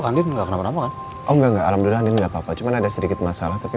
andien nggak kenapa napa kan oh enggak alhamdulillah ini nggak apa apa cuman ada sedikit masalah tapi